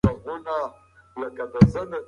آس په پوره جرئت سره د ناهیلۍ له ژورې څاه څخه راووت.